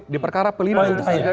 di perkara pelindung